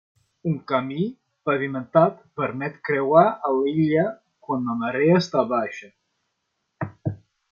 Un camí pavimentat permet creuar a l'illa quan la marea està baixa.